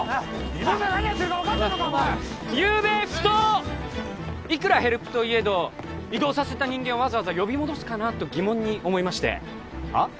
ゆうべふといくらヘルプといえど異動させた人間をわざわざ呼び戻すかなと疑問に思いましてはあ？